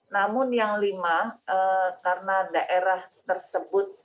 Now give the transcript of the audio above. namun yang lima karena daerah tersebut